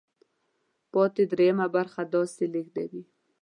پاتې درېیمه برخه داسې لیږدوي.